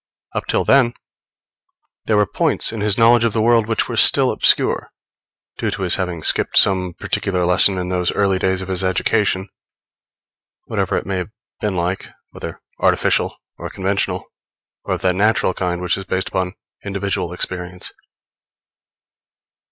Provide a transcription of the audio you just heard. Up till then, they were points in his knowledge of the world which were still obscure, due to his having skipped some particular lesson in those early days of his education, whatever it may have been like whether artificial and conventional, or of that natural kind which is based upon individual experience.